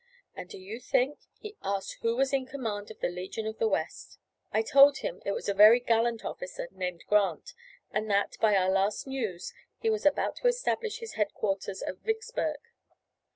And do you think, he asked who was in command of the "Legion of the West." I told him it was a very gallant officer named Grant, and that, by our last news, he was about to establish his headquarters at Vicksburg.